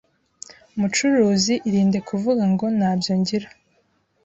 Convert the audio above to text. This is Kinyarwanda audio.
Mucuruzi irinde kuvuga ngo ntabyo ngira